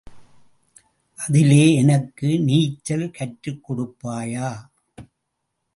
அதிலே எனக்கு நீச்சல் கற்றுக் கொடுப்பாயா?